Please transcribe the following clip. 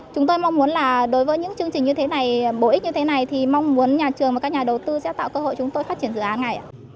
chúng tôi mong muốn là đối với những chương trình như thế này bổ ích như thế này thì mong muốn nhà trường và các nhà đầu tư sẽ tạo cơ hội chúng tôi phát triển dự án này ạ